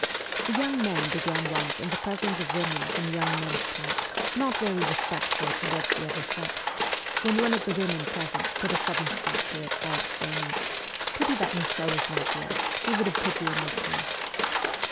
The young men began once in the presence of women some young men's talk, not very respectful towards the other sex, when one of the women present put a sudden stop to it by exclaiming :' Pity that Michel is not here : he would have put you in your place